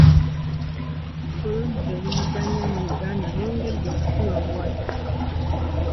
Oludda oluvuganya mu Uganda lwongedde okufuna obuwagizi.